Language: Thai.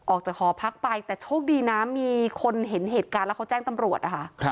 ออกจากหอพักไปแต่โชคดีนะมีคนเห็นเหตุการณ์แล้วเขาแจ้งตำรวจนะคะ